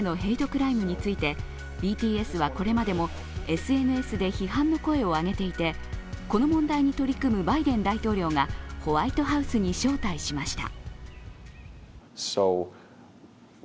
クライムについて、ＢＴＳはこれまでもＳＮＳで批判の声を上げていてこの問題に取り組むバイデン大統領がホワイトハウスに招待しました。